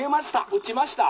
「打ちました」。